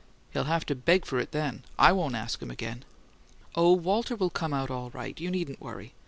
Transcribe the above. "He'll have to beg for it then! I won't ask him again." "Oh, Walter will come out all right; you needn't worry.